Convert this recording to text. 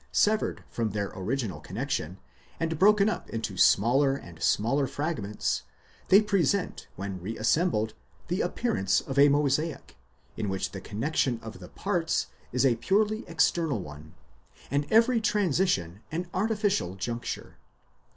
Severed from their original connexion, and broken up into smaller and smaller fragments, they present when reassembled the appearance of a mosaic, in which the connexion of the parts is a purely external one, and every transition an artificial juncture.